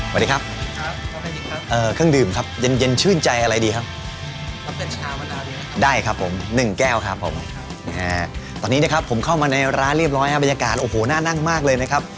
วันนี้นะครับผมเข้ามาในร้านเรียบร้อยครับบรรยากาศโอ้โหหน้านั่งมากเลยนะครับ